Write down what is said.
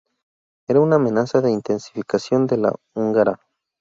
Era una amenaza de intensificación de la húngara.